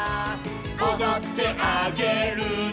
「おどってあげるね」